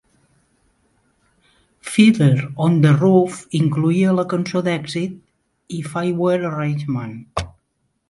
"Fiddler on the Roof" incloïa la cançó d'èxit "If I Were a Rich Man".